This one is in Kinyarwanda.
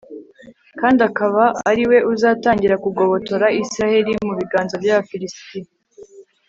kandi akaba ari we uzatangira kugobotora israheli mu biganza by'abafilisiti